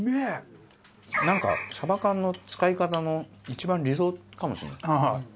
なんかサバ缶の使い方の一番理想かもしれない。